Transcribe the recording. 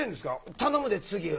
「頼むで次は。